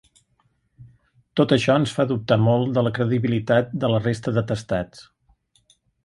Tot això ens fa dubtar molt de la credibilitat de la resta d’atestats.